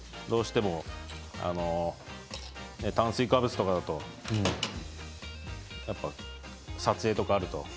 どうしても炭水化物とかだと撮影とかあると。